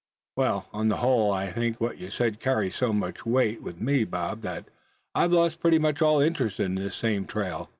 "Well, on the whole I think what you said carries so much weight with me, Bob, that I've lost pretty much all interest in this same trail.